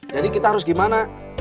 jadi kita harus gimana